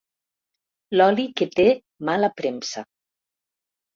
L'oli que té mala premsa.